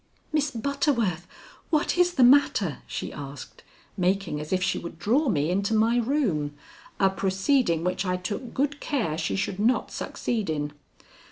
"Miss Butterworth, what is the matter?" she asked, making as if she would draw me into my room a proceeding which I took good care she should not succeed in.